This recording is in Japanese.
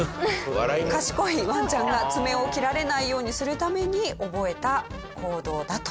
賢いワンちゃんが爪を切られないようにするために覚えた行動だと。